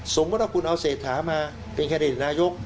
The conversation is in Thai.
สมมติว่าถ้าคุณเอาเศรษฐามาเป็นข้าเดชนายก